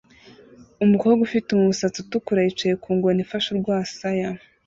Umukobwa ufite umusatsi utukura yicaye ku ngona ifashe urwasaya